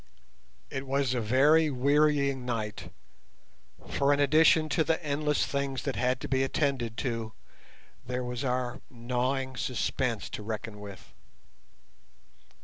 It was a very wearying night, for in addition to the endless things that had to be attended to, there was our gnawing suspense to reckon with.